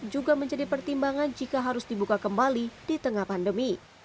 juga menjadi pertimbangan jika harus dibuka kembali di tengah pandemi